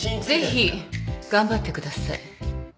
ぜひ頑張ってください。